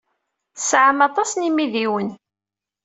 Tesɛamt aṭas n yimidiwen.